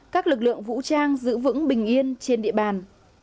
các lực lượng vũ trang giữ vững bình yên trên địa bàn